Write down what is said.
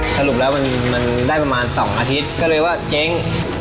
สรุปแล้วมันได้ประมาณ๒อาทิตย์ก็เลยว่าเจ๊ง